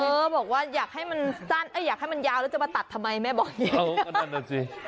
เออบอกว่าอยากให้มันยาวแล้วจะมาตัดทำไมแม่บอกอย่างนี้